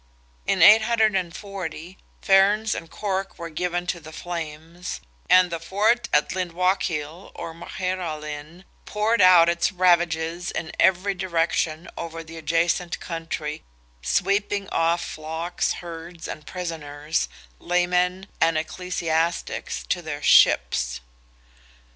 In 840, Ferns and Cork were given to the flames, and the fort at Lyndwachill, or Magheralin, poured out its ravages in every direction over the adjacent country, sweeping off flocks, herds, and prisoners, laymen and ecclesiastics, to their ships.